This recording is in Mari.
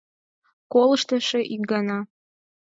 Колышт эше ик гана.